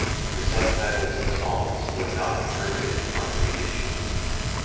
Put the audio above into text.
The subtitles of songs were not printed on re-issues.